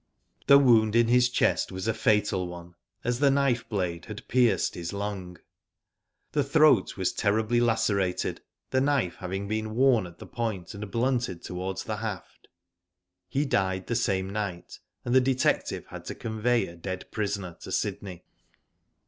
The wound in his chest was a fatal one, as the knife blade had pierced his lung. His throat was terribly lacerated, the knife having been worn at the point and blunted towards the haft. He died the same night, and the detective had to convey a dead prisoner to Sydney.